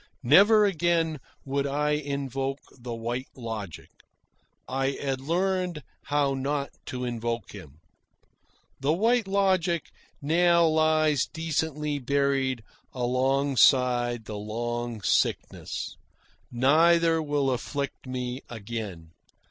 Never again would I invoke the White Logic. I had learned how not to invoke him. The White Logic now lies decently buried alongside the Long Sickness. Neither will afflict me again.